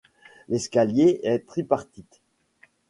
L'escalier est tripartite.